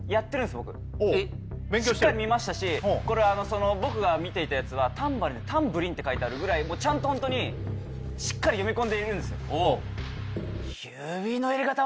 僕ほうしっかり見ましたし僕が見ていたやつはタンバリン「タンブリン」って書いてあるぐらいちゃんとホントにしっかり読み込んでいるんですよ